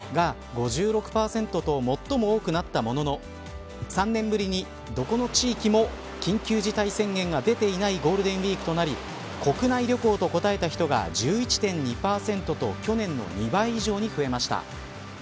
今年のゴールデンウイークの過ごし方については自宅で過ごすが５６％と最も多くなったものの３年ぶりに、どこの地域も緊急事態宣言が出ていないゴールデンウイークとなり国内旅行と答えた人が１１．２％と去年の２倍以上に増えました。